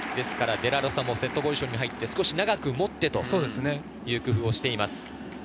デラロサもセットポジションに入って、すごく長く持ってという工夫をしています。